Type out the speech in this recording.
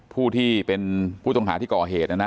ผู้ที่เป็นผู้ต้องหาที่ก่อเหตุนะนะ